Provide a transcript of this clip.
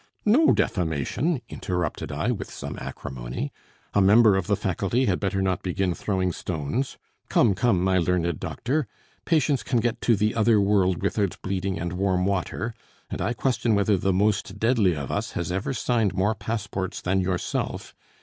"No defamation!" interrupted I, with some acrimony. "A member of the faculty had better not begin throwing stones. Come, come, my learned doctor, patients can get to the other world without bleeding and warm water; and I question whether the most deadly of us has ever signed more passports than yourself.